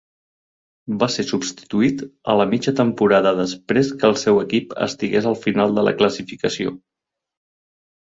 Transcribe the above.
Va ser substituït a la mitja temporada després que el seu equip estigués al final de la classificació.